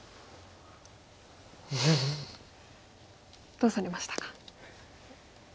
どうされましたか。